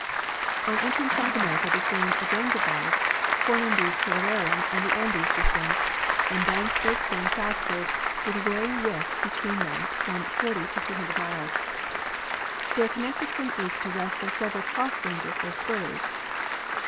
On entering South America this range again divides, forming the Cordilleran and the Andes systems, and th ence they extend southward, with a varying width be tween them of from 40 to 200 miles. They are connected from east to west by several cross ranges or spurs.